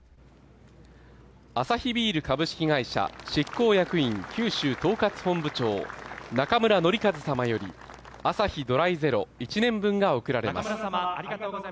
アサヒビール株式会社執行役員九州統括本部長中村哲三様よりアサヒドライゼロ１年分が贈られます。